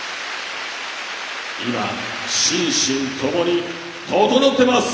今、心身ともにととのってます！